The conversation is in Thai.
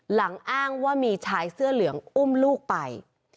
อ้างว่ามีชายเสื้อเหลืองอุ้มลูกไป